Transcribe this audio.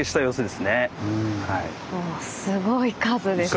すごい数ですね。